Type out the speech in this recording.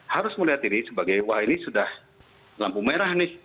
harus melihat ini sebagai wah ini sudah lampu merah nih